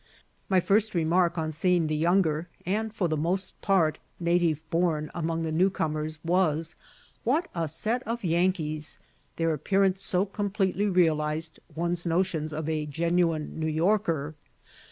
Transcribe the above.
My first remark on seeing the younger, and for the most part native born among the new comers, was, "What a set of Yankees!" their appearance so completely realised one's notions of a genuine New Yorker.